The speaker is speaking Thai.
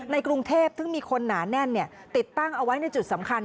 กรุงเทพซึ่งมีคนหนาแน่นติดตั้งเอาไว้ในจุดสำคัญ